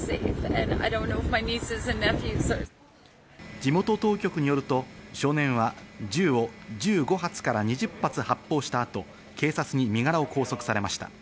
地元当局によると少年は銃を１５発から２０発発砲した後、警察に身柄を拘束されました。